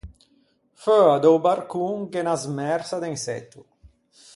Feua da-o barcon gh’é unna smersa de insetto.